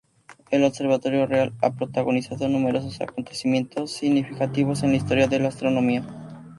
El Observatorio Real ha protagonizado numerosos acontecimientos significativos en la historia de la astronomía.